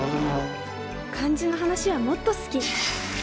漢字の話はもっと好き！